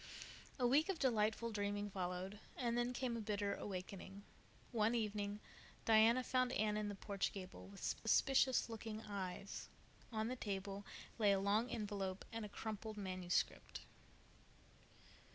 A week of delightful dreaming followed, and then came a bitter awakening. One evening Diana found Anne in the porch gable, with suspicious looking eyes. On the table lay a long envelope and a crumpled manuscript.